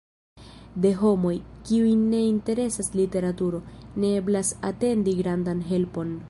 De homoj, kiujn ne interesas literaturo, ne eblas atendi grandan helpon.